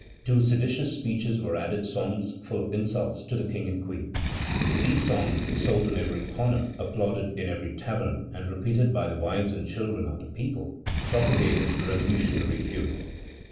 To seditious speeches were added songs full of insults to the King and Queen. These songs, sold on every corner, applauded in every tavern, and repeated by the wives and children of the people, propagated revolutionary fury.